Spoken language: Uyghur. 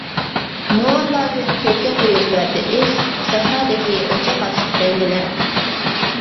مورىلاردىن كۆككە قويۇپ بەردى ئىس، سەھرادىكى «ئوچاق» ئاتلىق بەڭگىلەر.